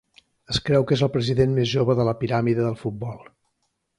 Es creu que és el president més jove de la Piràmide del Futbol.